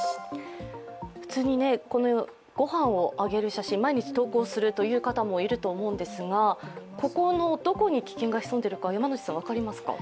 普通に、御飯を上げる写真、毎日投稿するという方もいると思うんですがここのどこに危険が潜んでいるか分かりますか？